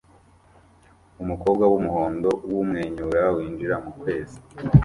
Umukobwa wumuhondo wumwenyura winjira mukwezi